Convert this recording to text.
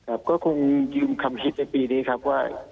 ครับก็คงยืมคำคิดในปีนี้ครับว่า